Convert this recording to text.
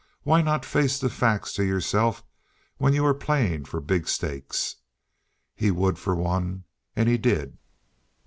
"Why not face the facts to yourself when you are playing for big stakes?" He would, for one, and he did.